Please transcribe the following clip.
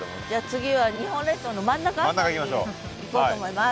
次は日本列島の真ん中辺り行こうと思います。